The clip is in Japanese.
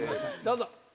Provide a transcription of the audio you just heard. どうぞ。